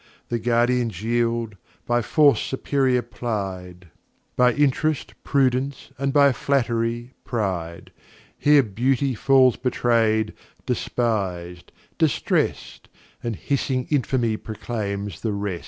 The Guardians yield, by Force superior ply'd; By Int'rest, Prudence; and by Flatt'ry, Pride. Here Beauty falls betray'd, despis'd, distress'd, And hissing Infamy proclaims the rest.